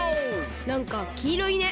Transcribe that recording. なんかきいろいね。